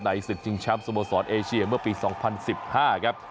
ในศิษย์จิงช้ำสมสรรค์เอเชียเมื่อปี๒๐๑๕ครับ